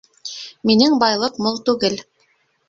Минең байлыҡ мул түгел.